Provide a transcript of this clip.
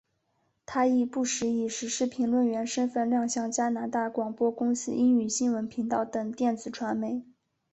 她亦不时以时事评论员身份亮相加拿大广播公司英语新闻频道等电子传媒。